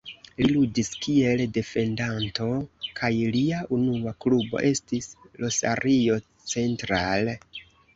Li ludis kiel defendanto kaj lia unua klubo estis Rosario Central.